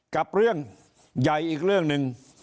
กับเรื่องใหญ่อีกเรื่องหนึ่ง